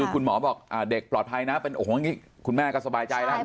คุณหมอบอกเด็กปลอดภัยนะคุณแม่ก็สบายใจนะ